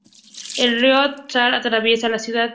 El río Aar atraviesa la ciudad.